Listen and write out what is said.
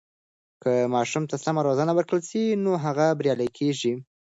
که ماشوم ته سمه روزنه ورکړل سي، نو هغه بریالی کیږي.